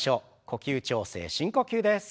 呼吸調整深呼吸です。